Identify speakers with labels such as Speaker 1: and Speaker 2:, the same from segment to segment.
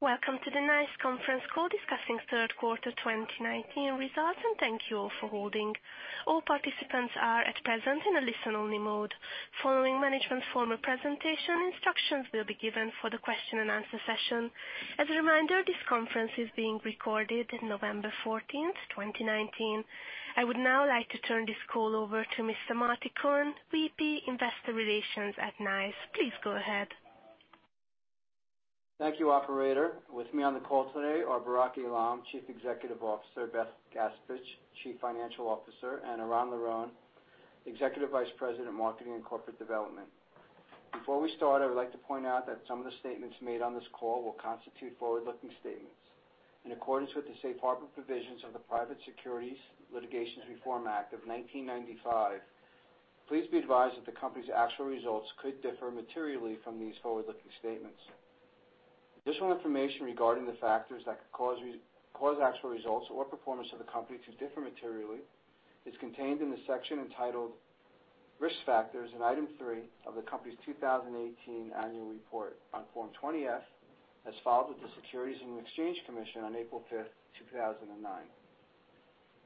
Speaker 1: Welcome to the NICE conference call discussing third quarter 2019 results. Thank you all for holding. All participants are at present in a listen-only mode. Following management formal presentation, instructions will be given for the question-and-answer session. As a reminder, this conference is being recorded November 14th, 2019. I would now like to turn this call over to Mr. Marty Cohen, VP, Investor Relations at NICE. Please go ahead.
Speaker 2: Thank you, operator. With me on the call today are Barak Eilam, Chief Executive Officer, Beth Gaspich, Chief Financial Officer, and Eran Liron, Executive Vice President, Marketing and Corporate Development. Before we start, I would like to point out that some of the statements made on this call will constitute forward-looking statements. In accordance with the safe harbor provisions of the Private Securities Litigation Reform Act of 1995, please be advised that the company's actual results could differ materially from these forward-looking statements. Additional information regarding the factors that could cause actual results or performance of the company to differ materially is contained in the section entitled Risk Factors in item three of the company's 2018 annual report on Form 20-F, as filed with the Securities and Exchange Commission on April 5th, 2009.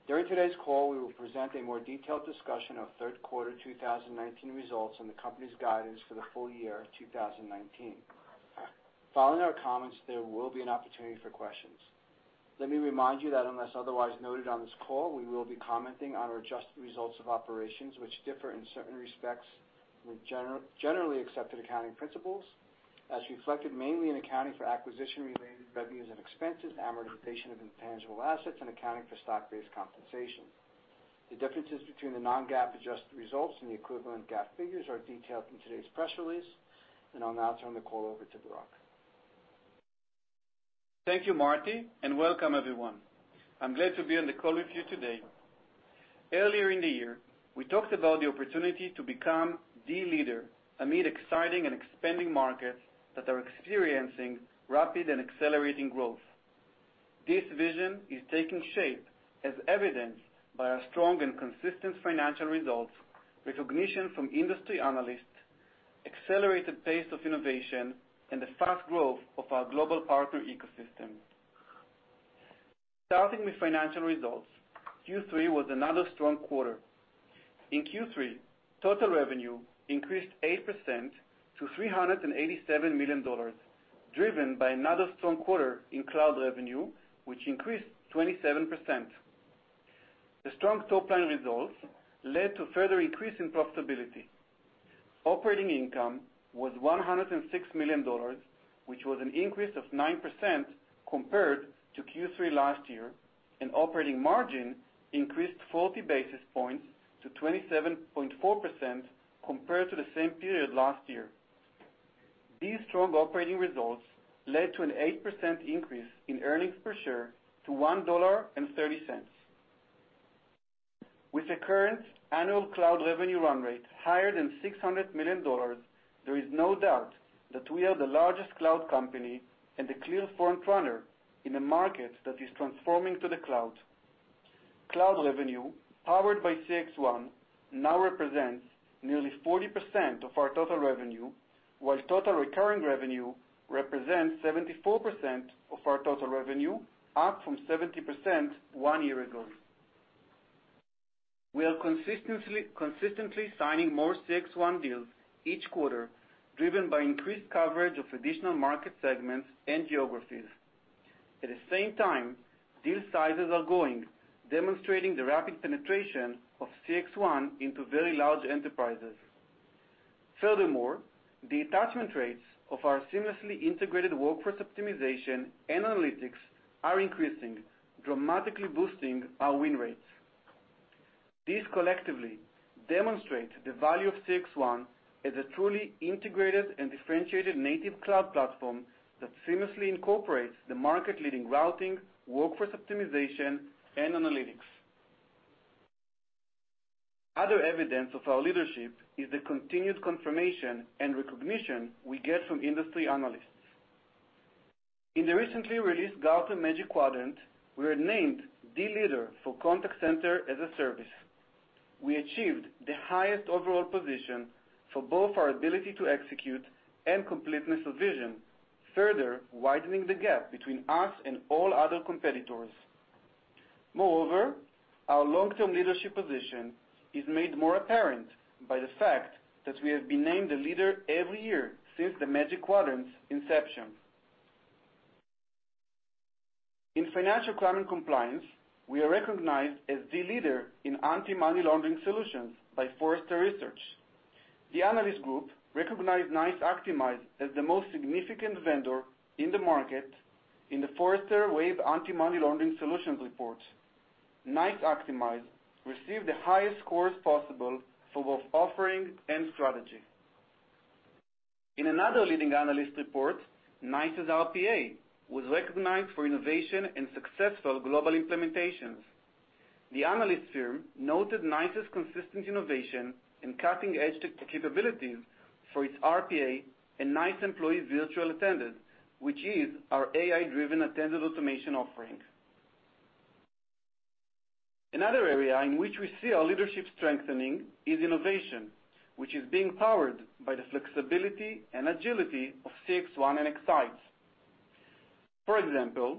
Speaker 2: During today's call, we will present a more detailed discussion of third quarter 2019 results and the company's guidance for the full year 2019. Following our comments, there will be an opportunity for questions. Let me remind you that unless otherwise noted on this call, we will be commenting on our adjusted results of operations, which differ in certain respects with generally accepted accounting principles, as reflected mainly in accounting for acquisition-related revenues and expenses, amortization of intangible assets, and accounting for stock-based compensation. The differences between the non-GAAP adjusted results and the equivalent GAAP figures are detailed in today's press release. I'll now turn the call over to Barak.
Speaker 3: Thank you, Marty, and welcome everyone. I'm glad to be on the call with you today. Earlier in the year, we talked about the opportunity to become the leader amid exciting and expanding markets that are experiencing rapid and accelerating growth. This vision is taking shape as evidenced by our strong and consistent financial results, recognition from industry analysts, accelerated pace of innovation, and the fast growth of our global partner ecosystem. Starting with financial results, Q3 was another strong quarter. In Q3, total revenue increased 8% to $387 million, driven by another strong quarter in cloud revenue, which increased 27%. The strong top-line results led to further increase in profitability. Operating income was $106 million, which was an increase of 9% compared to Q3 last year, and operating margin increased 40 basis points to 27.4% compared to the same period last year. These strong operating results led to an 8% increase in earnings per share to $1.30. With the current annual cloud revenue run rate higher than $600 million, there is no doubt that we are the largest cloud company and a clear front runner in a market that is transforming to the cloud. Cloud revenue, powered by CXone, now represents nearly 40% of our total revenue, while total recurring revenue represents 74% of our total revenue, up from 70% one year ago. We are consistently signing more CXone deals each quarter, driven by increased coverage of additional market segments and geographies. At the same time, deal sizes are growing, demonstrating the rapid penetration of CXone into very large enterprises. Furthermore, the attachment rates of our seamlessly integrated workforce optimization and analytics are increasing, dramatically boosting our win rates. These collectively demonstrate the value of CXone as a truly integrated and differentiated native cloud platform that seamlessly incorporates the market-leading routing, workforce optimization, and analytics. Other evidence of our leadership is the continued confirmation and recognition we get from industry analysts. In the recently released Gartner Magic Quadrant, we are named the leader for contact center as a service. We achieved the highest overall position for both our ability to execute and completeness of vision, further widening the gap between us and all other competitors. Moreover, our long-term leadership position is made more apparent by the fact that we have been named the leader every year since the Gartner Magic Quadrant's inception. In financial crime and compliance, we are recognized as the leader in anti-money laundering solutions by Forrester Research. The analyst group recognized NICE Actimize as the most significant vendor in the market in the Forrester Wave Anti-Money Laundering Solutions report. NICE Actimize received the highest scores possible for both offering and strategy. In another leading analyst report, NICE's RPA was recognized for innovation and successful global implementations. The analyst firm noted NICE's consistent innovation and cutting-edge tech capabilities for its RPA and NICE Employee Virtual Attendant, which is our AI-driven attended automation offering. Another area in which we see our leadership strengthening is innovation, which is being powered by the flexibility and agility of CXone and X-Sight. For example,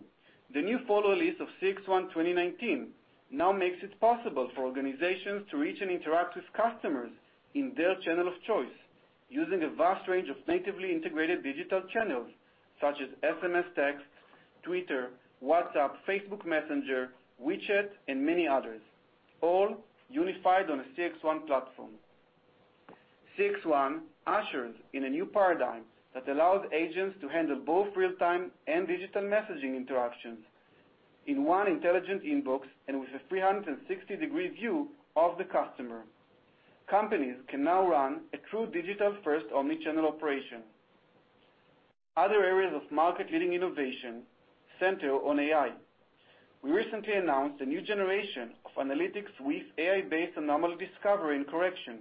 Speaker 3: the new Fall release of CXone 2019 now makes it possible for organizations to reach and interact with customers in their channel of choice using a vast range of natively integrated digital channels such as SMS text, Twitter, WhatsApp, Facebook Messenger, WeChat, and many others, all unified on a CXone platform. CXone ushers in a new paradigm that allows agents to handle both real-time and digital messaging interactions in one intelligent inbox and with a 360-degree view of the customer. Companies can now run a true digital-first omni-channel operation. Other areas of market-leading innovation center on AI. We recently announced a new generation of analytics with AI-based anomaly discovery and correction,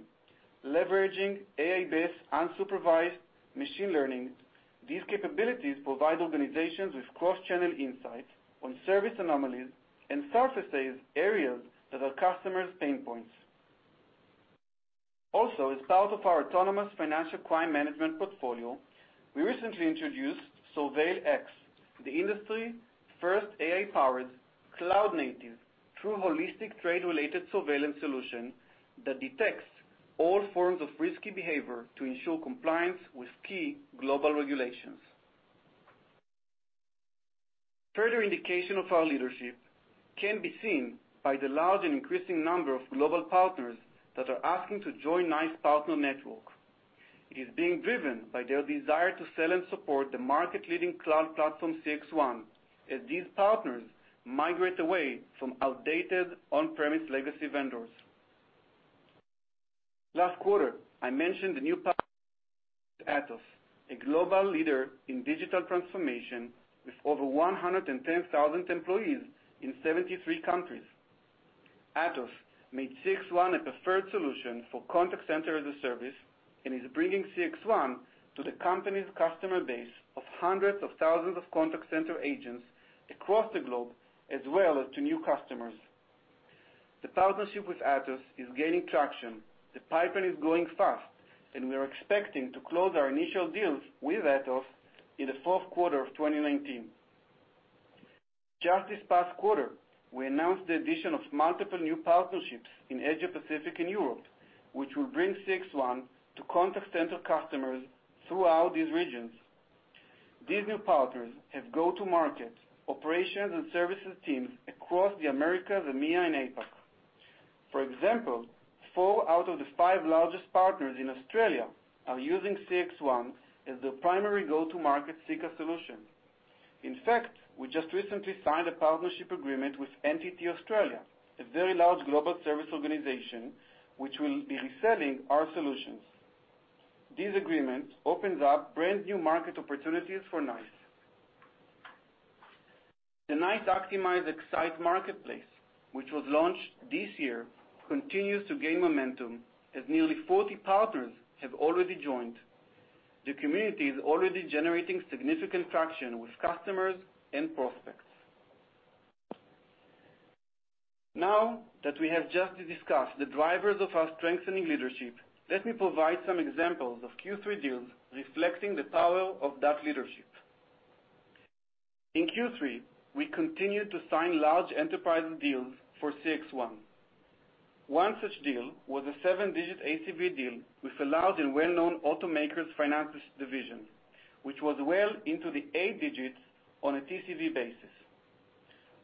Speaker 3: leveraging AI-based unsupervised machine learning. These capabilities provide organizations with cross-channel insights on service anomalies and surfaces areas that are customers' pain points. As part of our autonomous financial crime management portfolio, we recently introduced SURVEIL-X, the industry's first AI-powered, cloud-native, true holistic trade-related surveillance solution that detects all forms of risky behavior to ensure compliance with key global regulations. Further indication of our leadership can be seen by the large and increasing number of global partners that are asking to join NICE Partner Network. It is being driven by their desire to sell and support the market-leading cloud platform, CXone, as these partners migrate away from outdated on-premise legacy vendors. Last quarter, I mentioned the new partner, Atos, a global leader in digital transformation with over 110,000 employees in 73 countries. Atos made CXone a preferred solution for contact center as a service and is bringing CXone to the company's customer base of hundreds of thousands of contact center agents across the globe, as well as to new customers. The partnership with Atos is gaining traction. The pipeline is growing fast, and we are expecting to close our initial deals with Atos in the fourth quarter of 2019. Just this past quarter, we announced the addition of multiple new partnerships in Asia-Pacific and Europe, which will bring CXone to contact center customers throughout these regions. These new partners have go-to-market, operations, and services teams across the Americas, EMEA, and APAC. For example, four out of the five largest partners in Australia are using CXone as their primary go-to-market CCaaS solution. In fact, we just recently signed a partnership agreement with NTT Australia, a very large global service organization which will be reselling our solutions. This agreement opens up brand-new market opportunities for NICE. The NICE Actimize X-Sight Marketplace, which was launched this year, continues to gain momentum as nearly 40 partners have already joined. The community is already generating significant traction with customers and prospects. Now, that we have just discussed the drivers of our strengthening leadership, let me provide some examples of Q3 deals reflecting the power of that leadership. In Q3, we continued to sign large enterprise deals for CXone. One such deal was a seven-digit ACV deal with a large and well-known automakers finances division, which was well into the eight digits on a TCV basis.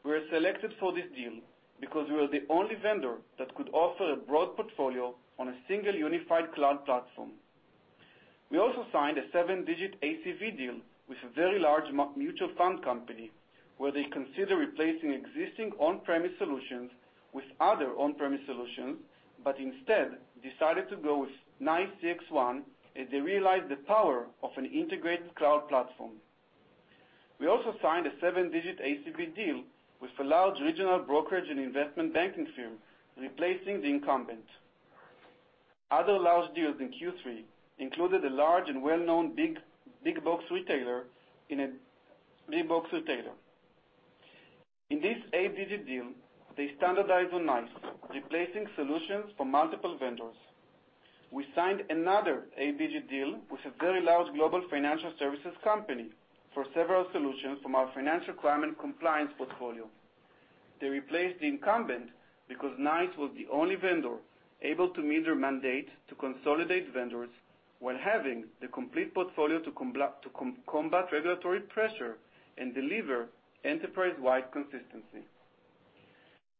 Speaker 3: We were selected for this deal because we were the only vendor that could offer a broad portfolio on a single unified cloud platform. We also signed a seven-digit ACV deal with a very large mutual fund company, where they consider replacing existing on-premise solutions with other on-premise solutions, but instead decided to go with NICE CXone as they realized the power of an integrated cloud platform. We also signed a seven-digit ACV deal with a large regional brokerage and investment banking firm, replacing the incumbent. Other large deals in Q3 included a large and well-known big-box retailer in a big-box retailer. In this eight-digit deal, they standardized on NICE, replacing solutions for multiple vendors. We signed another eight-digit deal with a very large global financial services company for several solutions from our financial crime and compliance portfolio. They replaced the incumbent because NICE was the only vendor able to meet their mandate to consolidate vendors while having the complete portfolio to combat regulatory pressure and deliver enterprise-wide consistency.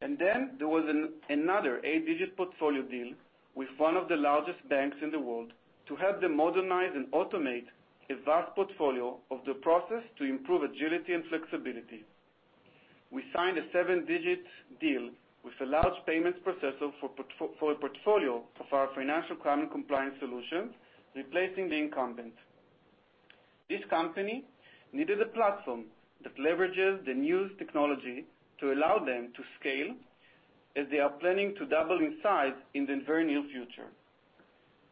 Speaker 3: Then there was another eight-digit portfolio deal with one of the largest banks in the world to help them modernize and automate a vast portfolio of the process to improve agility and flexibility. We signed a seven-digit deal with a large payments processor for a portfolio of our financial crime and compliance solutions, replacing the incumbent. This company needed a platform that leverages the newest technology to allow them to scale as they are planning to double in size in the very near future.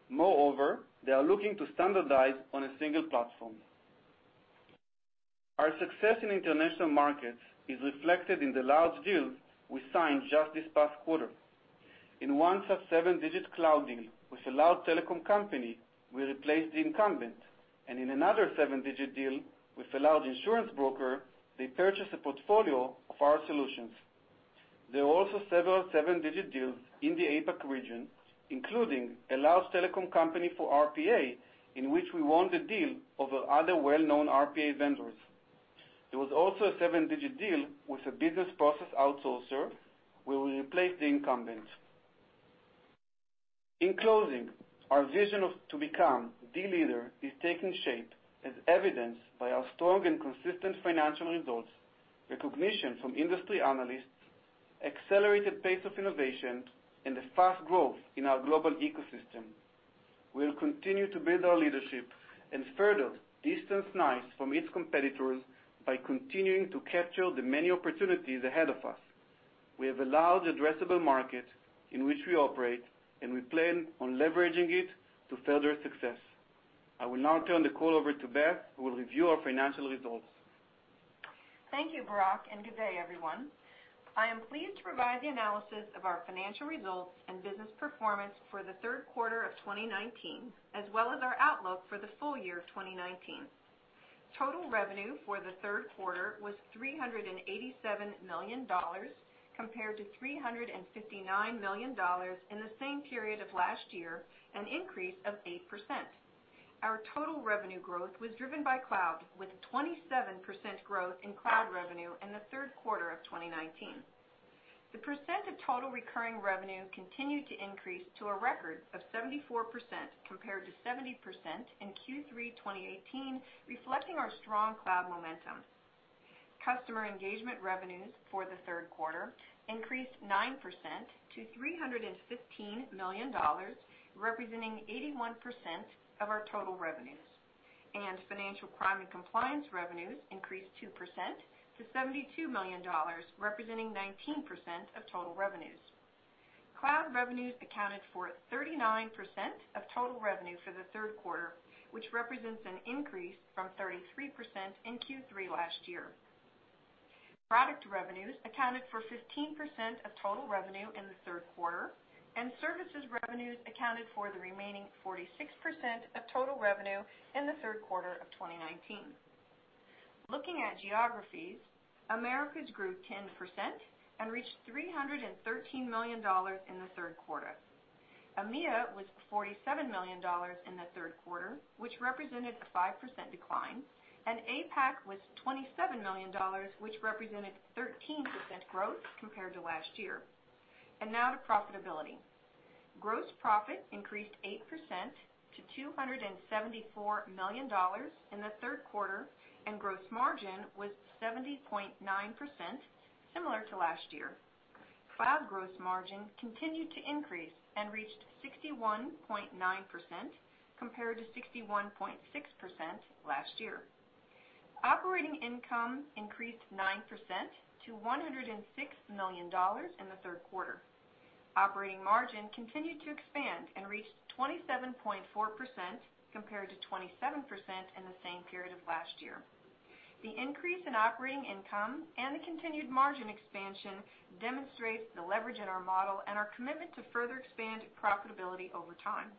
Speaker 3: Moreover, they are looking to standardize on a single platform. Our success in international markets is reflected in the large deals we signed just this past quarter. In one such seven-digit cloud deal with a large telecom company, we replaced the incumbent. In another seven-digit deal with a large insurance broker, they purchased a portfolio of our solutions. There are also several seven-digit deals in the APAC region, including a large telecom company for RPA, in which we won the deal over other well-known RPA vendors. There was also a seven-digit deal with a business process outsourcer where we replaced the incumbent. In closing, our vision of to become the leader is taking shape as evidenced by our strong and consistent financial results, recognition from industry analysts, accelerated pace of innovation, and the fast growth in our global ecosystem. We'll continue to build our leadership and further distance NICE from its competitors by continuing to capture the many opportunities ahead of us. We have a large addressable market in which we operate, and we plan on leveraging it to further success. I will now turn the call over to Beth, who will review our financial results.
Speaker 4: Thank you, Barak. Good day, everyone. I am pleased to provide the analysis of our financial results and business performance for the third quarter of 2019, as well as our outlook for the full year of 2019. Total revenue for the third quarter was $387 million compared to $359 million in the same period of last year, an increase of 8%. Our total revenue growth was driven by cloud with 27% growth in cloud revenue in the third quarter of 2019. The percent of total recurring revenue continued to increase to a record of 74% compared to 70% in Q3 2018, reflecting our strong cloud momentum. Customer engagement revenues for the third quarter increased 9% to $315 million, representing 81% of our total revenues. Financial crime and compliance revenues increased 2% to $72 million, representing 19% of total revenues. Cloud revenues accounted for 39% of total revenue for the third quarter, which represents an increase from 33% in Q3 last year. Product revenues accounted for 15% of total revenue in the third quarter, and services revenues accounted for the remaining 46% of total revenue in the third quarter of 2019. Looking at geographies, Americas grew 10% and reached $313 million in the third quarter. EMEA was $47 million in the third quarter, which represented a 5% decline, and APAC was $27 million, which represented 13% growth compared to last year. Now to profitability. Gross profit increased 8% to $274 million in the third quarter, and gross margin was 70.9%, similar to last year. Cloud gross margin continued to increase and reached 61.9% compared to 61.6% last year. Operating income increased 9% to $106 million in the third quarter. Operating margin continued to expand and reached 27.4% compared to 27% in the same period of last year. The increase in operating income and the continued margin expansion demonstrates the leverage in our model and our commitment to further expand profitability over time.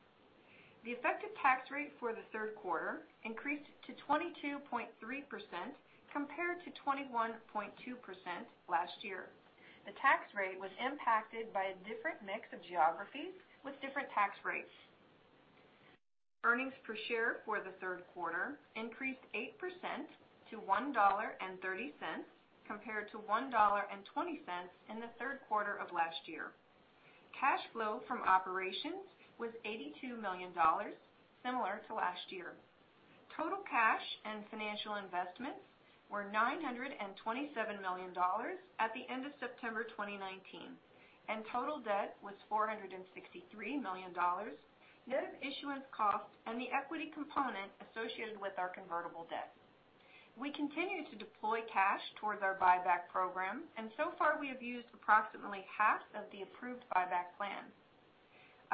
Speaker 4: The effective tax rate for the third quarter increased to 22.3% compared to 21.2% last year. The tax rate was impacted by a different mix of geographies with different tax rates. Earnings per share for the third quarter increased 8% to $1.30 compared to $1.20 in the third quarter of last year. Cash flow from operations was $82 million, similar to last year. Total cash and financial investments were $927 million at the end of September 2019, and total debt was $463 million, net of issuance cost and the equity component associated with our convertible debt. We continue to deploy cash towards our buyback program, and so far, we have used approximately half of the approved buyback plan.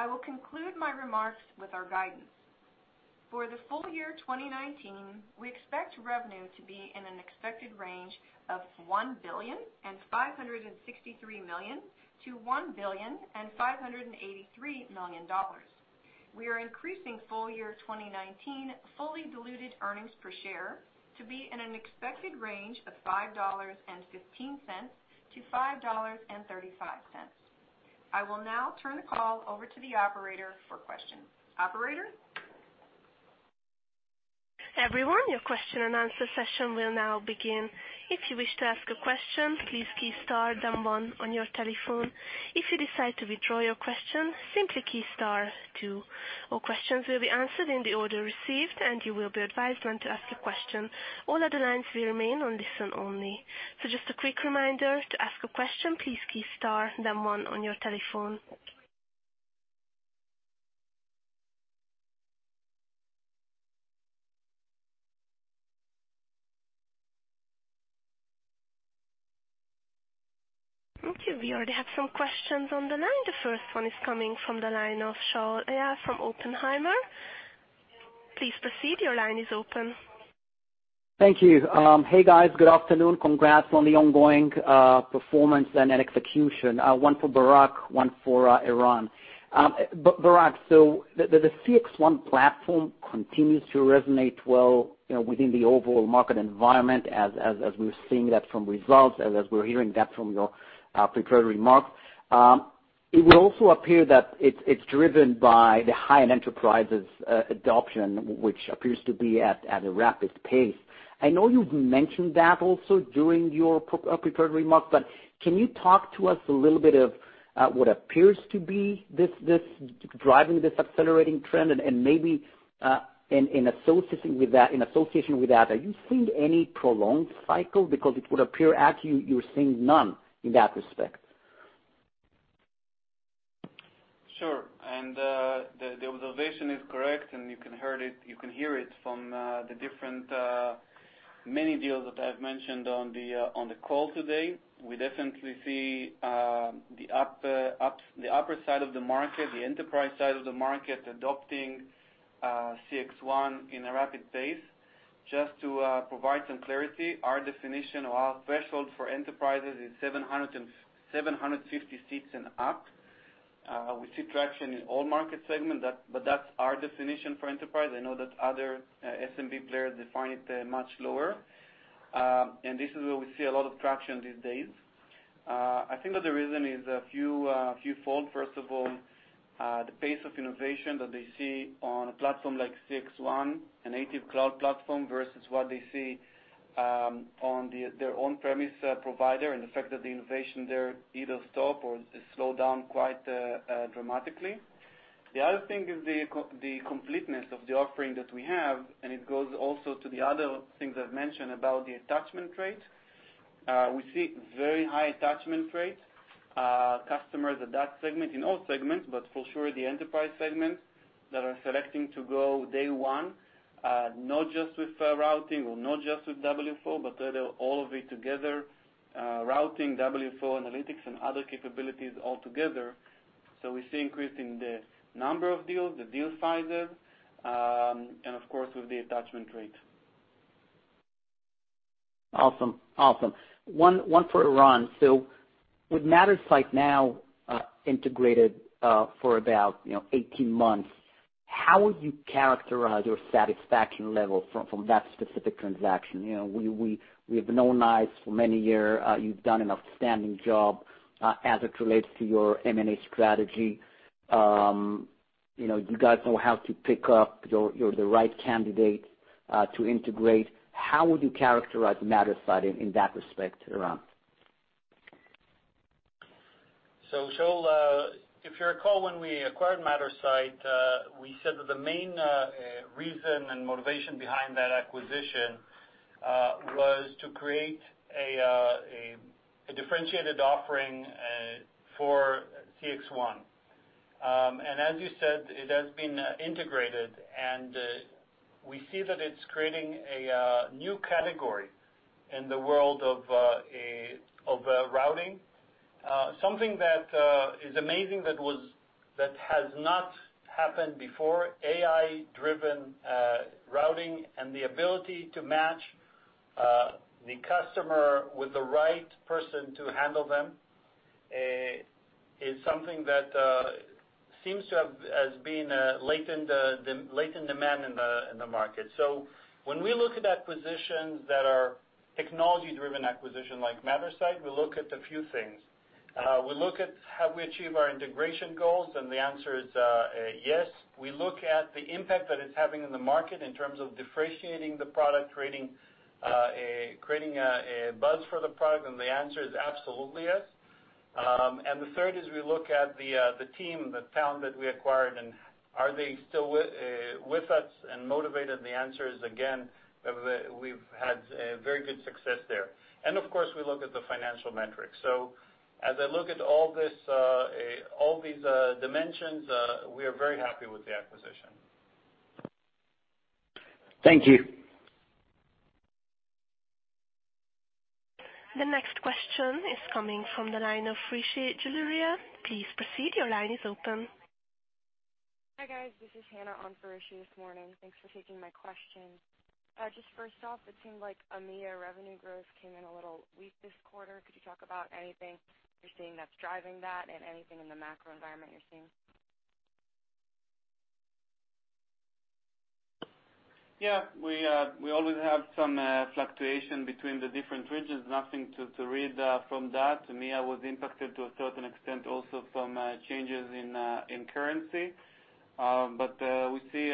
Speaker 4: I will conclude my remarks with our guidance. For the full year 2019, we expect revenue to be in an expected range of $1.563 billion-$1.583 billion. We are increasing full year 2019 fully diluted earnings per share to be in an expected range of $5.15-$5.35. I will now turn the call over to the operator for questions. Operator?
Speaker 1: Everyone, your question and answer session will now begin. If you wish to ask a question, please key star then one on your telephone. If you decide to withdraw your question, simply key star two. All questions will be answered in the order received, and you will be advised when to ask a question. All other lines will remain on listen only. Just a quick reminder, to ask a question, please key star then one on your telephone. Thank you. We already have some questions on the line. The first one is coming from the line of Shaul Eyal from Oppenheimer. Please proceed. Your line is open.
Speaker 5: Thank you. Hey guys, good afternoon. Congrats on the ongoing performance and execution. One for Barak, one for Eran. Barak, the CXone platform continues to resonate well, you know, within the overall market environment as we're seeing that from results, as we're hearing that from your prepared remarks. It would also appear that it's driven by the high-end enterprises adoption, which appears to be at a rapid pace. I know you've mentioned that also during your prepared remarks, can you talk to us a little bit of what appears to be this driving this accelerating trend and maybe in associating with that, in association with that, are you seeing any prolonged cycle? It would appear actually you're seeing none in that respect.
Speaker 3: Sure. The observation is correct, and you can hear it from the different many deals that I've mentioned on the call today. We definitely see the upper side of the market, the enterprise side of the market adopting CXone in a rapid pace. Just to provide some clarity, our definition or our threshold for enterprises is 750 seats and up. We see traction in all market segment that, but that's our definition for enterprise. I know that other SMB players define it much lower. This is where we see a lot of traction these days. I think that the reason is a few fewfold. First of all, the pace of innovation that they see on a platform like CXone, a native cloud platform versus what they see on the, their on-premise provider and the fact that the innovation there either stop or slow down quite dramatically. The other thing is the completeness of the offering that we have, and it goes also to the other things I've mentioned about the attachment rate. We see very high attachment rate. Customers at that segment, in all segments, but for sure the enterprise segments that are selecting to go day one, not just with routing or not just with WFO, but rather all of it together, routing, WFO analytics and other capabilities all together. We see increase in the number of deals, the deal sizes, and of course with the attachment rate.
Speaker 5: Awesome. Awesome. One for Eran. With Mattersight now, integrated for about, you know, 18 months, how would you characterize your satisfaction level from that specific transaction? You know, we have known NICE for many year. You've done an outstanding job as it relates to your M&A strategy. You know, you guys know how to pick up your the right candidate to integrate. How would you characterize Mattersight in that respect, Eran?
Speaker 6: Shaul, if you recall when we acquired Mattersight, we said that the main reason and motivation behind that acquisition was to create a differentiated offering for CXone. As you said, it has been integrated, and we see that it's creating a new category in the world of routing. Something that is amazing that has not happened before, AI-driven routing and the ability to match the customer with the right person to handle them, is something that seems to have as being latent demand in the market. When we look at acquisitions that are technology-driven acquisition like Mattersight, we look at a few things. We look at have we achieved our integration goals, the answer is yes. We look at the impact that it's having in the market in terms of differentiating the product, creating a buzz for the product, the answer is absolutely yes. The third is we look at the team, the talent that we acquired, and are they still with us and motivated? The answer is, again, we've had very good success there. Of course, we look at the financial metrics. As I look at all this, all these dimensions, we are very happy with the acquisition.
Speaker 5: Thank you.
Speaker 1: The next question is coming from the line of Rishi Jaluria. Please proceed. Your line is open.
Speaker 7: Hi guys. This is Hannah on for Rishi this morning. Thanks for taking my question. Just first off, it seemed like EMEA revenue growth came in a little weak this quarter. Could you talk about anything you're seeing that's driving that and anything in the macro environment you're seeing?
Speaker 3: We always have some fluctuation between the different regions. Nothing to read from that. EMEA was impacted to a certain extent also from changes in currency. We see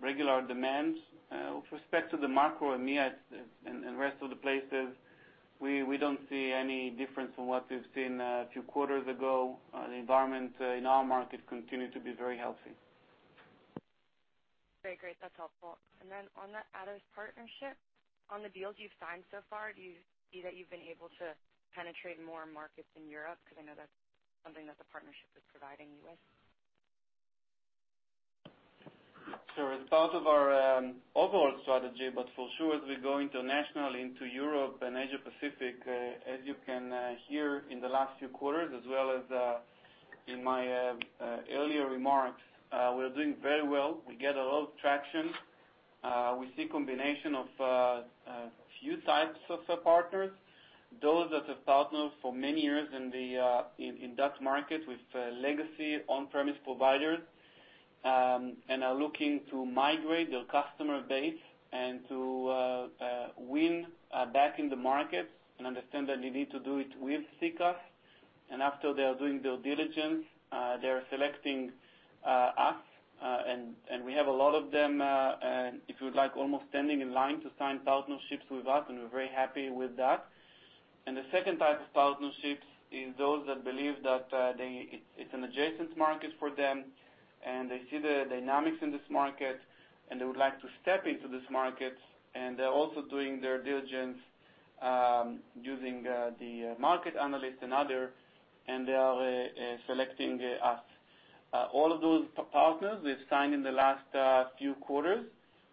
Speaker 3: regular demands. With respect to the macro EMEA and rest of the places, we don't see any difference from what we've seen a few quarters ago. The environment in our market continue to be very healthy.
Speaker 7: Okay, great. That's helpful. On the Atos partnership, on the deals you've signed so far, do you see that you've been able to penetrate more markets in Europe? Because I know that's something that the partnership is providing you with.
Speaker 3: Sure. As part of our overall strategy, for sure, as we go international into Europe and Asia Pacific, as you can hear in the last few quarters, as well as in my earlier remarks, we're doing very well. We get a lot of traction. We see combination of a few types of partners. Those that have partnered for many years in that market with legacy on-premise providers, and are looking to migrate their customer base and to win back in the market and understand that they need to do it with CXone. After they are doing due diligence, they're selecting us, and we have a lot of them, if you like, almost standing in line to sign partnerships with us, and we're very happy with that. The second type of partnerships is those that believe that it's an adjacent market for them and they see the dynamics in this market, and they would like to step into this market. They're also doing their diligence, using the market analysts and other, and they are selecting us. All of those partners we've signed in the last few quarters.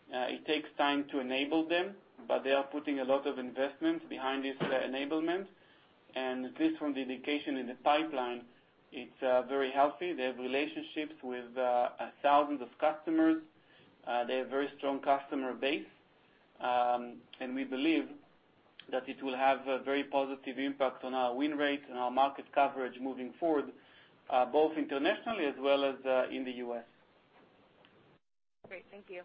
Speaker 3: It takes time to enable them, but they are putting a lot of investment behind this enablement. This, from the indication in the pipeline, it's very healthy. They have relationships with thousands of customers. They have very strong customer base. We believe that it will have a very positive impact on our win rate and our market coverage moving forward, both internationally as well as in the U.S.
Speaker 7: Great. Thank you.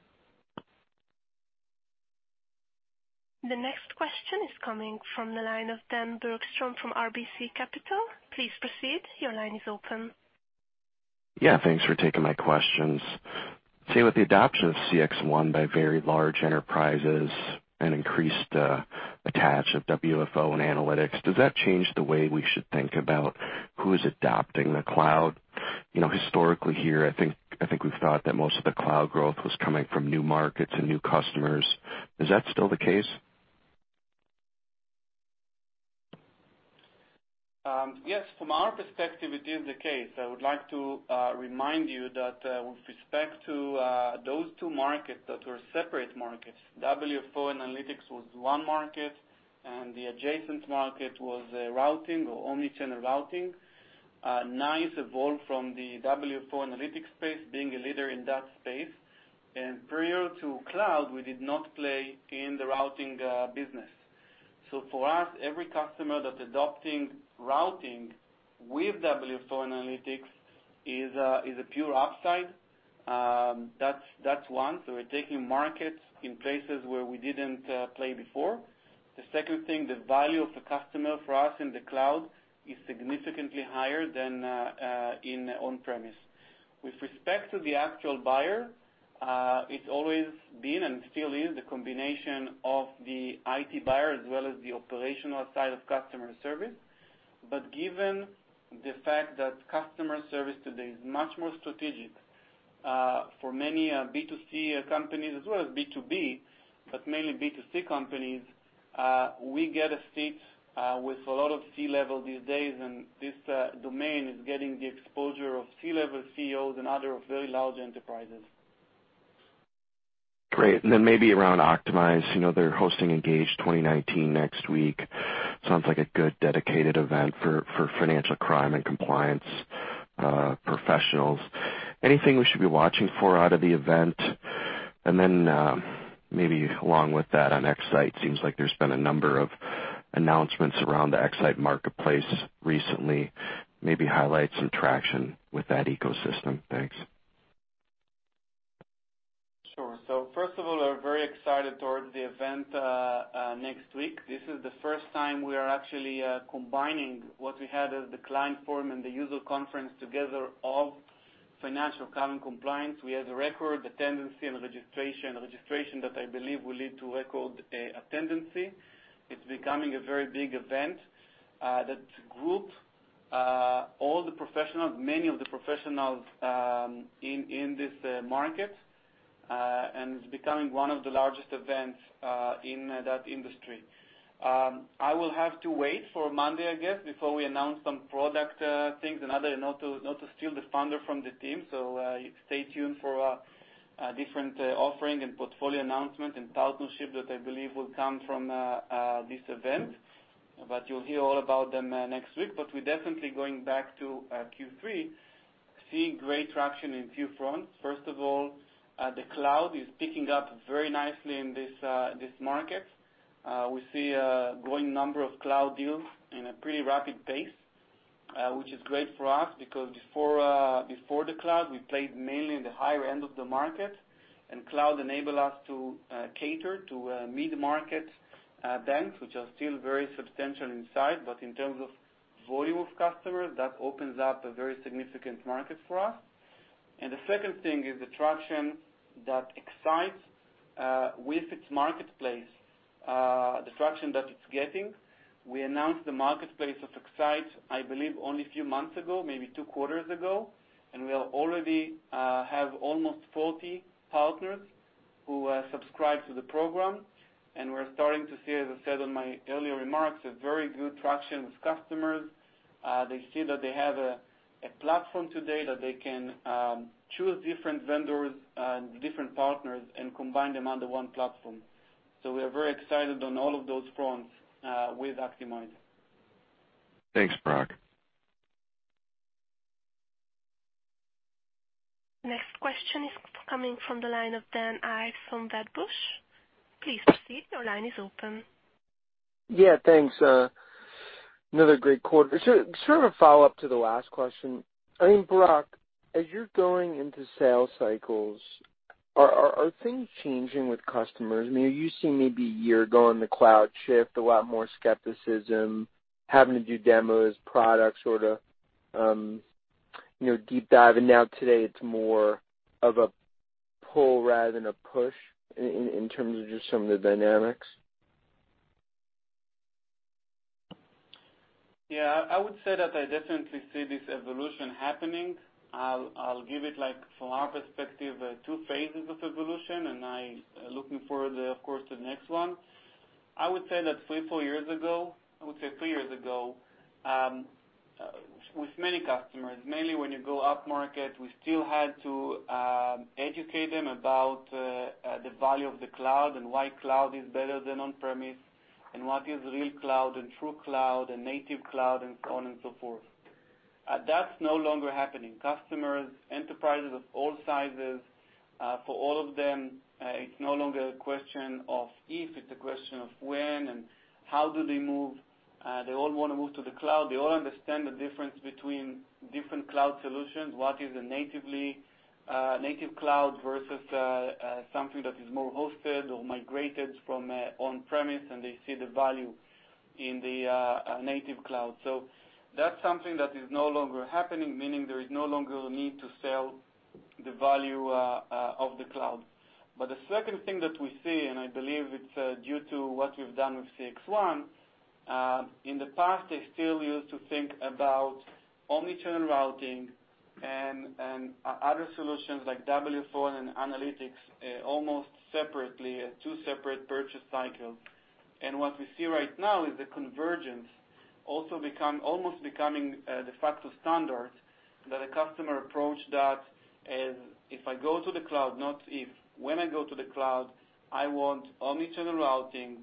Speaker 1: The next question is coming from the line of Dan Bergstrom from RBC Capital. Please proceed. Your line is open.
Speaker 8: Yeah. Thanks for taking my questions. Say, with the adoption of CXone by very large enterprises and increased attach of WFO and analytics, does that change the way we should think about who is adopting the cloud? You know, historically here, I think we've thought that most of the cloud growth was coming from new markets and new customers. Is that still the case?
Speaker 3: Yes. From our perspective, it is the case. I would like to remind you that with respect to those two markets that were separate markets, WFO analytics was one market, and the adjacent market was routing or omnichannel routing. NICE evolve from the WFO analytics space being a leader in that space. Prior to cloud, we did not play in the routing business. For us, every customer that's adopting routing with WFO analytics is a pure upside. That's one. We're taking markets in places where we didn't play before. The second thing, the value of the customer for us in the cloud is significantly higher than in on-premise. With respect to the actual buyer, it's always been and still is a combination of the IT buyer as well as the operational side of customer service. But given the fact that customer service today is much more strategic, for many, B2C companies as well as B2B, but mainly B2C companies, we get a seat, with a lot of C-level these days, and this, domain is getting the exposure of C-level CEOs and other very large enterprises.
Speaker 8: Great. Maybe around Actimize, you know, they're hosting Engage 2019 next week. Sounds like a good dedicated event for financial crime and compliance professionals. Anything we should be watching for out of the event? Maybe along with that on X-Sight, seems like there's been a number of announcements around the X-Sight Marketplace recently. Maybe highlight some traction with that ecosystem. Thanks.
Speaker 3: Sure. First of all, we're very excited towards the event next week. This is the first time we are actually combining what we had as the client forum and the user conference together of financial crime and compliance. We have the record attendance and registration. Registration that I believe will lead to record attendance. It's becoming a very big event, that group many of the professionals in this market, and it's becoming one of the largest events in that industry. I will have to wait for Monday, I guess, before we announce some product things and other, not to steal the thunder from the team. Stay tuned for a different offering and portfolio announcement and partnership that I believe will come from this event. You'll hear all about them next week. We're definitely going back to Q3, seeing great traction in few fronts. First of all, the cloud is picking up very nicely in this market. We see a growing number of cloud deals in a pretty rapid pace, which is great for us because before the cloud, we played mainly in the higher end of the market. Cloud enable us to cater to mid-market banks, which are still very substantial in size, but in terms of volume of customers, that opens up a very significant market for us. The second thing is the traction that X-Sight, with its marketplace, the traction that it's getting. We announced the marketplace of X-Sight, I believe only a few months ago, maybe two quarters ago, and we already have almost 40 partners. Who subscribe to the program, and we're starting to see, as I said on my earlier remarks, a very good traction with customers. They see that they have a platform today that they can choose different vendors and different partners and combine them under one platform. We are very excited on all of those fronts with Actimize.
Speaker 8: Thanks, Barak.
Speaker 1: Next question is coming from the line of Dan Ives from Wedbush.
Speaker 9: Yeah, thanks. Another great quarter. Sort of a follow-up to the last question. I mean, Barak, as you're going into sales cycles, are things changing with customers? I mean, are you seeing maybe a year ago on the cloud shift, a lot more skepticism, having to do demos, product sorta, you know, deep dive, and now today it's more of a pull rather than a push in terms of just some of the dynamics?
Speaker 3: Yeah. I would say that I definitely see this evolution happening. I'll give it, like, from our perspective, two phases of evolution, looking forward, of course, to the next one. I would say that three, four years ago, I would say three years ago, with many customers, mainly when you go up market, we still had to educate them about the value of the cloud and why cloud is better than on-premise, and what is real cloud and true cloud and native cloud, and so on and so forth. That's no longer happening. Customers, enterprises of all sizes, for all of them, it's no longer a question of if, it's a question of when and how do they move. They all wanna move to the cloud. They all understand the difference between different cloud solutions, what is a natively native cloud versus something that is more hosted or migrated from on-premise, and they see the value in the native cloud. That's something that is no longer happening, meaning there is no longer a need to sell the value of the cloud. The second thing that we see, and I believe it's due to what we've done with CXone, in the past, they still used to think about omnichannel routing and other solutions like WFO and analytics almost separately as two separate purchase cycles. What we see right now is the convergence also almost becoming the facto standard that a customer approach that as if I go to the cloud, not if, when I go to the cloud, I want omni-channel routing,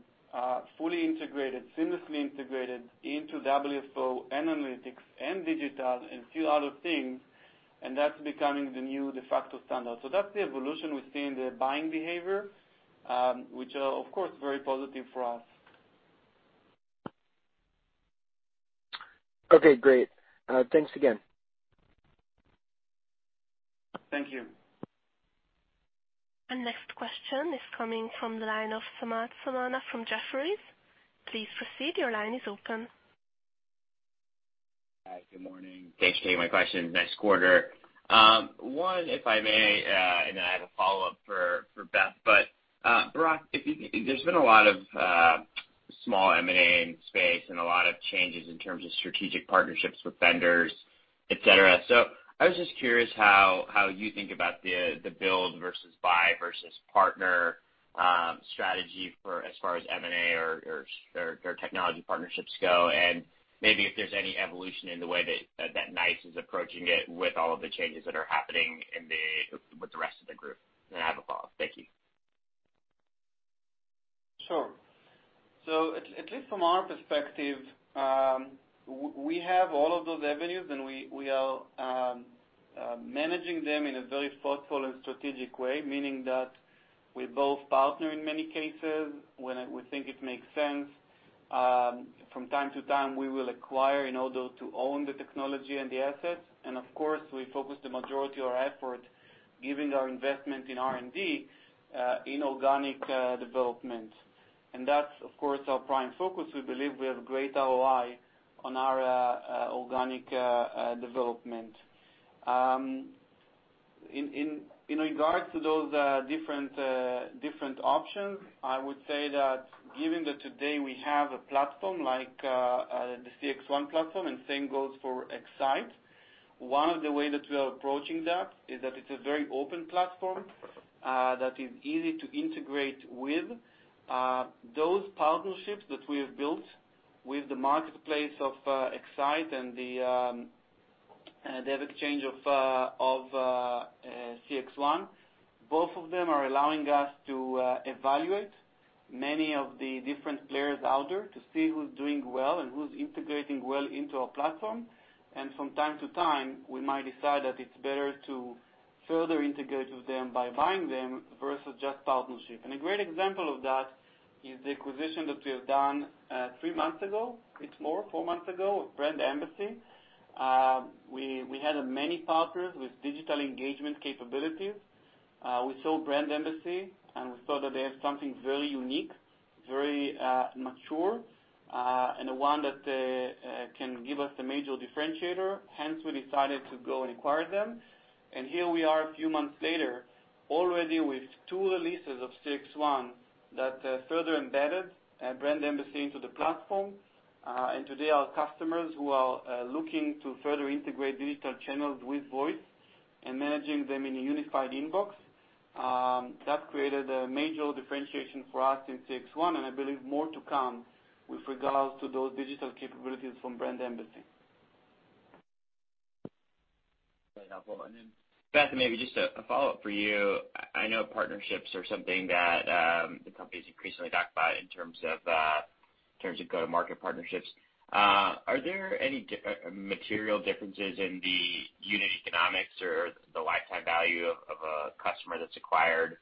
Speaker 3: fully integrated, seamlessly integrated into WFO and analytics and digital and few other things, and that's becoming the new de facto standard. That's the evolution we see in the buying behavior, which are, of course, very positive for us.
Speaker 9: Okay, great. Thanks again.
Speaker 3: Thank you.
Speaker 1: Next question is coming from the line of Samad Samana from Jefferies.
Speaker 10: Hi, good morning. Thanks for taking my question. Nice quarter. One, if I may, and then I have a follow-up for Beth. Barak, there's been a lot of small M&A in space and a lot of changes in terms of strategic partnerships with vendors, et cetera. I was just curious how you think about the build versus buy versus partner strategy for as far as M&A or technology partnerships go. Maybe if there's any evolution in the way that NICE is approaching it with all of the changes that are happening with the rest of the group. I have a follow-up. Thank you.
Speaker 3: Sure. At least from our perspective, we have all of those avenues, and we are managing them in a very thoughtful and strategic way, meaning that we both partner in many cases when we think it makes sense. From time to time, we will acquire in order to own the technology and the assets. Of course, we focus the majority of our effort, giving our investment in R&D, in organic development. That's, of course, our prime focus. We believe we have great ROI on our organic development. In regards to those different options, I would say that given that today we have a platform like the CXone platform, and same goes for X-Sight, one of the way that we are approaching that is that it's a very open platform that is easy to integrate with. Those partnerships that we have built with the marketplace of X-Sight and the exchange of CXone, both of them are allowing us to evaluate many of the different players out there to see who's doing well and who's integrating well into our platform. From time to time, we might decide that it's better to further integrate with them by buying them versus just partnership. A great example of that is the acquisition that we have done three months ago. It's more, four months ago, Brand Embassy. We had a many partners with digital engagement capabilities. We saw Brand Embassy, we saw that they have something very unique, very mature, and one that can give us a major differentiator. Hence, we decided to go and acquire them. Here we are a few months later, already with two releases of CXone that further embedded Brand Embassy into the platform. Today our customers who are looking to further integrate digital channels with voice and managing them in a unified inbox, that created a major differentiation for us in CXone, and I believe more to come with regards to those digital capabilities from Brand Embassy.
Speaker 10: Great. Follow on then. Beth, maybe just a follow-up for you. I know partnerships are something that the company's increasingly backed by in terms of go-to-market partnerships. Are there any material differences in the unit economics or the lifetime value of a customer that's acquired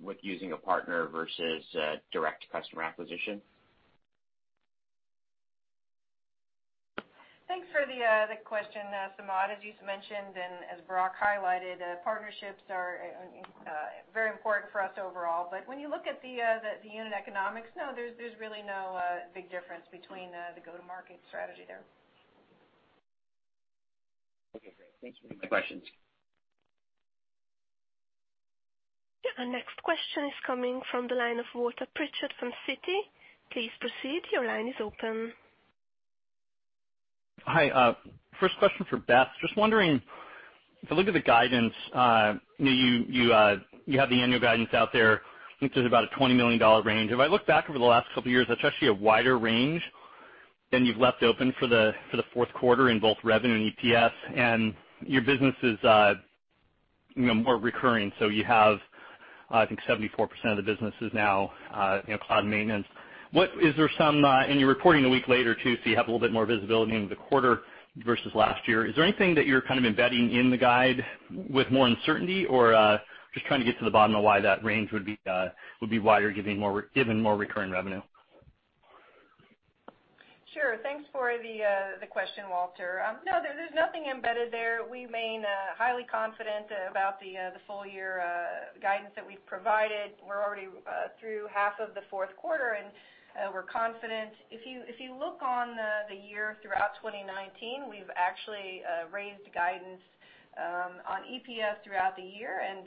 Speaker 10: with using a partner versus direct customer acquisition?
Speaker 4: Thanks for the question, Samad. As you mentioned, and as Barak highlighted, partnerships are very important for us overall. When you look at the unit economics, no, there's really no big difference between the go-to-market strategy there.
Speaker 10: Okay, great. Thanks for taking my questions.
Speaker 1: Our next question is coming from the line of Walter Pritchard from Citi. Please proceed. Your line is open.
Speaker 11: Hi. First question for Beth. Just wondering, if you look at the guidance, you have the annual guidance out there, I think there's about a $20 million range. If I look back over the last couple years, that's actually a wider range than you've left open for the, for the fourth quarter in both revenue and EPS. Your business is, you know, more recurring, so you have, I think 74% of the business is now, you know, cloud maintenance. Is there some, and you're reporting a week later, too, so you have a little bit more visibility into the quarter versus last year. Is there anything that you're kind of embedding in the guide with more uncertainty? Just trying to get to the bottom of why that range would be wider, given more recurring revenue.
Speaker 4: Sure. Thanks for the question, Walter. No, there's nothing embedded there. We remain highly confident about the full year guidance that we've provided. We're already through half of the fourth quarter, and we're confident. If you look on the year throughout 2019, we've actually raised guidance on EPS throughout the year. In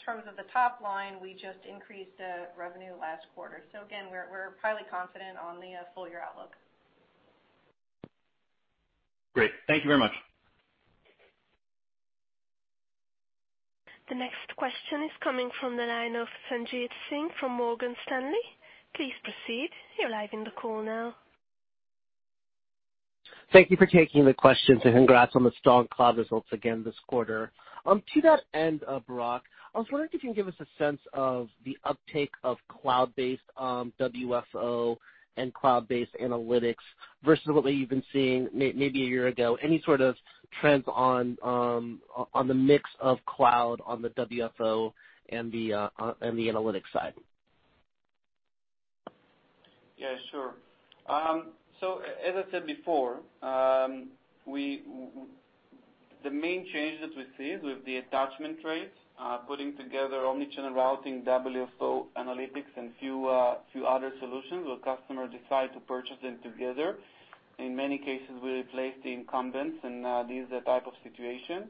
Speaker 4: terms of the top line, we just increased revenue last quarter. Again, we're highly confident on the full year outlook.
Speaker 11: Great. Thank you very much.
Speaker 1: The next question is coming from the line of Sanjit Singh from Morgan Stanley. Please proceed. You're live in the call now.
Speaker 12: Thank you for taking the question, and congrats on the strong cloud results again this quarter. To that end, Barak, I was wondering if you can give us a sense of the uptake of cloud-based WFO and cloud-based analytics versus what you've been seeing maybe a year ago? Any sort of trends on the mix of cloud on the WFO and the analytics side?
Speaker 3: Yeah, sure. As I said before, the main change that we see with the attachment rates, putting together omnichannel routing, WFO analytics, and few other solutions where customer decide to purchase them together. In many cases, we replace the incumbents in these type of situation.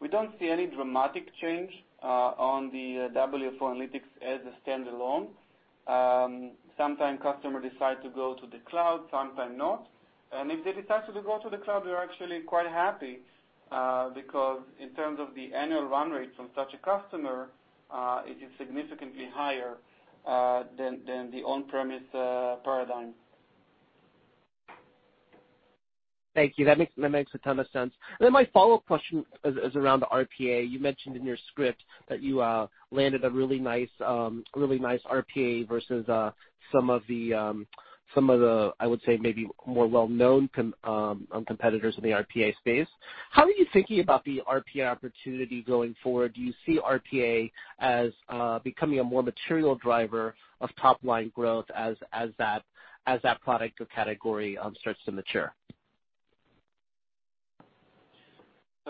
Speaker 3: We don't see any dramatic change on the WFO analytics as a standalone. Sometimes customer decide to go to the cloud, sometimes not. If they decide to go to the cloud, we are actually quite happy because in terms of the annual run rate from such a customer, it is significantly higher than the on-premise paradigm.
Speaker 12: Thank you. That makes a ton of sense. My follow-up question is around the RPA. You mentioned in your script that you landed a really NICE RPA versus some of the, some of the, I would say, maybe more well-known competitors in the RPA space. How are you thinking about the RPA opportunity going forward? Do you see RPA as becoming a more material driver of top-line growth as that product or category starts to mature?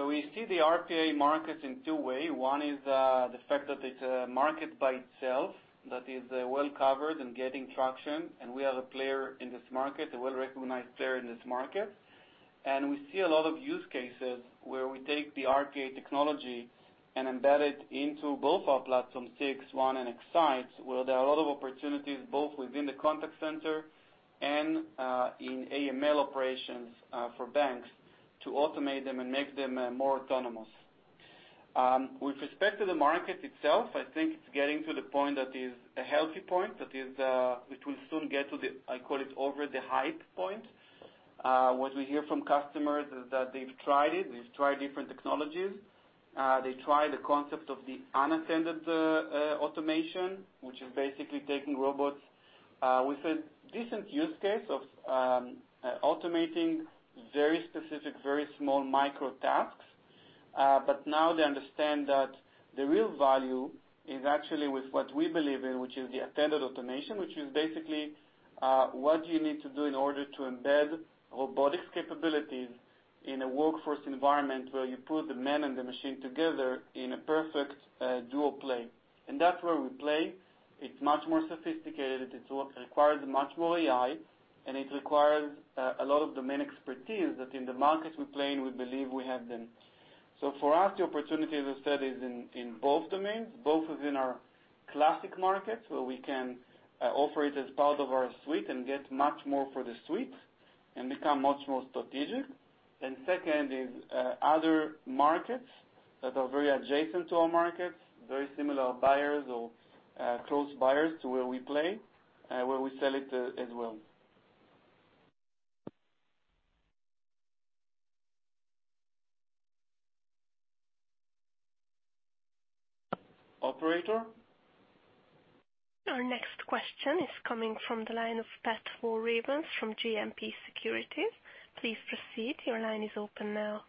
Speaker 3: We see the RPA market in two way. One is the fact that it's a market by itself that is well covered and getting traction, and we are a player in this market, a well-recognized player in this market. We see a lot of use cases where we take the RPA technology and embed it into both our platforms, CXone and X-Sight, where there are a lot of opportunities both within the contact center and in AML operations for banks to automate them and make them more autonomous. With respect to the market itself, I think it's getting to the point that is a healthy point. That is, which will soon get to the, I call it over the hype point. What we hear from customers is that they've tried it, they've tried different technologies. They try the concept of the unattended automation, which is basically taking robots with a decent use case of automating very specific, very small micro tasks. Now they understand that the real value is actually with what we believe in, which is the attended automation, which is basically what do you need to do in order to embed robotics capabilities in a workforce environment where you put the man and the machine together in a perfect dual play. That's where we play. It's much more sophisticated. It's what requires much more AI, and it requires a lot of domain expertise that in the market we play and we believe we have them. For us, the opportunity, as I said, is in both domains, both within our classic markets, where we can offer it as part of our suite and get much more for the suite and become much more strategic. Second is other markets that are very adjacent to our markets, very similar buyers or close buyers to where we play, where we sell it as well. Operator?
Speaker 1: Our next question is coming from the line of Pat Walravens from JMP Securities. Please proceed. Your line is open now.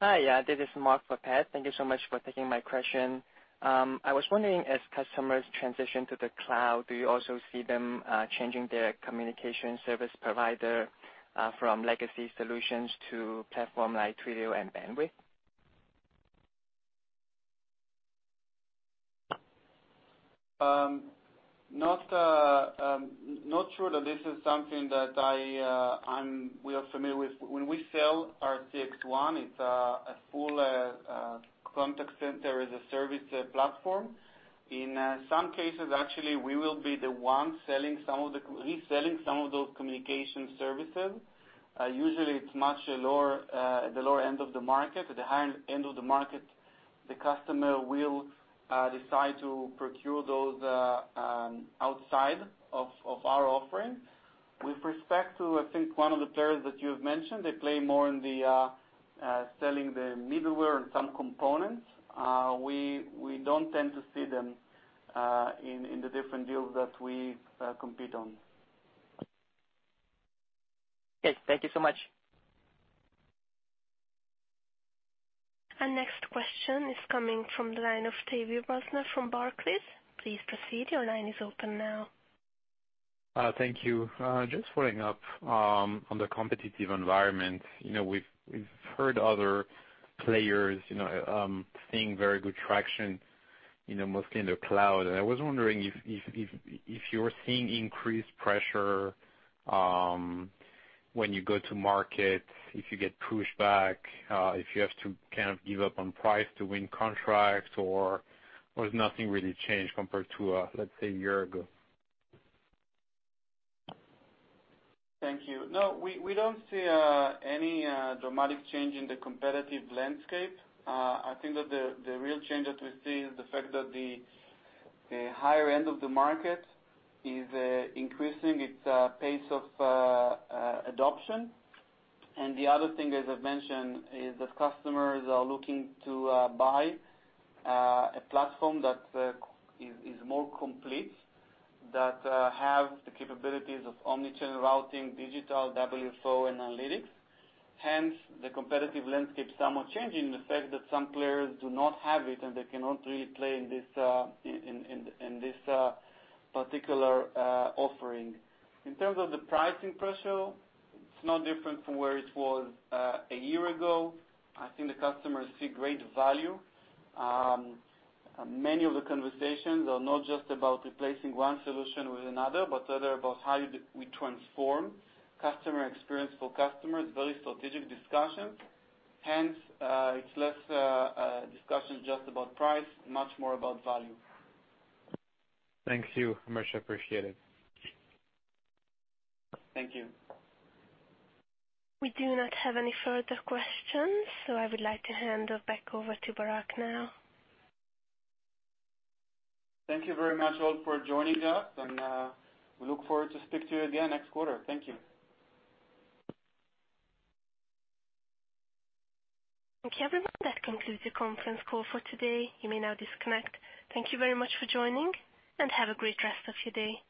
Speaker 13: Hi. This is Mark for Pat. Thank you so much for taking my question. I was wondering, as customers transition to the cloud, do you also see them changing their communication service provider from legacy solutions to platform like Twilio and Bandwidth?
Speaker 3: Not sure that this is something that we are familiar with. When we sell our CXone, it's a full contact center as a service platform. In some cases, actually, we will be the one reselling some of those communication services. Usually it's much lower, the lower end of the market. At the higher end of the market, the customer will decide to procure those outside of our offering. With respect to, I think, one of the players that you've mentioned, they play more in the selling the middleware and some components. We don't tend to see them in the different deals that we compete on.
Speaker 13: Okay. Thank you so much.
Speaker 1: Our next question is coming from the line of Tavy Rosner from Barclays.
Speaker 14: Thank you. Just following up on the competitive environment. You know, we've heard other players, you know, seeing very good traction, you know, mostly in the cloud. I was wondering if you're seeing increased pressure when you go to market, if you get pushback, if you have to kind of give up on price to win contracts, or has nothing really changed compared to, let's say, a year ago?
Speaker 3: Thank you. No, we don't see any dramatic change in the competitive landscape. I think that the real change that we see is the fact that the higher end of the market is increasing its pace of adoption. The other thing, as I've mentioned, is that customers are looking to buy a platform that is more complete, that have the capabilities of omni-channel routing, digital, WFO, and analytics. Hence, the competitive landscape is somewhat changing the fact that some players do not have it, and they cannot really play in this particular offering. In terms of the pricing pressure, it's no different from where it was a year ago. I think the customers see great value. Many of the conversations are not just about replacing one solution with another, but rather about how we transform customer experience for customers, very strategic discussions. It's less discussions just about price, much more about value.
Speaker 14: Thank you. Much appreciated.
Speaker 3: Thank you.
Speaker 1: We do not have any further questions. I would like to hand off back over to Barak now.
Speaker 3: Thank you very much all for joining us, and we look forward to speak to you again next quarter. Thank you.
Speaker 1: Okay, everyone. That concludes the conference call for today. You may now disconnect. Thank you very much for joining, and have a great rest of your day.